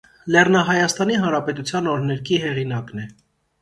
Լեռնահայաստանի հանրապետության օրհներգի հեղինակն է։